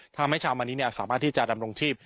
ทำให้ชาวมันนี้สามารถที่จะดำรงชีพ